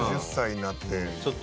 ７０歳になって。